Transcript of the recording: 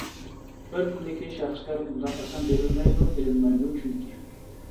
بىر تىلدىكى شەخسلەر ئۇنداق ئاسان بېرىلمەيدۇ ئېلىنمايدۇ چۈنكى.